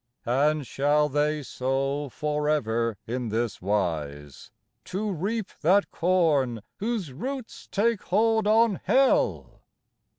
And shall they sow forever hi this wise, To reap that corn whose roots take hold on Hell?